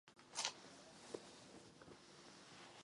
Na konkrétní diskusi je ještě příliš brzy.